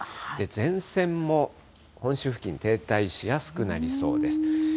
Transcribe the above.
前線も本州付近、停滞しやすくなりそうです。